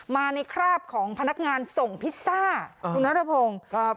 มาในคราบของพนักงานส่งพิซซ่าคุณนัทพงศ์ครับ